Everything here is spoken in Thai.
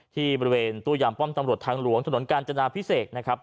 ที่บริเวณตู้ยามป้อมตำรวจทางหลวงถนนกาญจนาพิเศษนะครับ